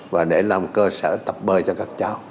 và để làm cơ sở tập bơi cho các cháu